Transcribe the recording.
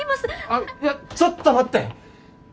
あっいやちょっと待って！